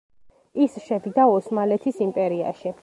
ის შევიდა ოსმალეთის იმპერიაში.